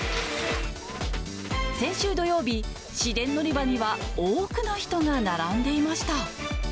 先週土曜日、市電乗り場には、多くの人が並んでいました。